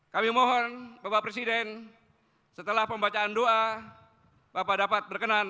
kami mohon bapak presiden setelah pembacaan doa bapak dapat berkenan dengan kemampuan yang telah diberikan oleh tni